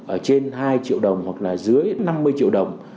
ở trên hai triệu đồng hoặc là dưới năm mươi triệu đồng